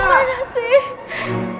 kau kemana sih